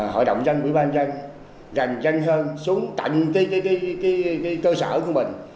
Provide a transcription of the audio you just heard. hội đồng dân quỹ ban dân gần dân hơn xuống tận cơ sở của mình